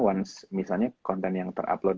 once misalnya konten yang terupload